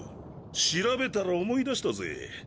調べたら思い出したぜ。